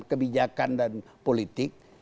kebijakan dan politik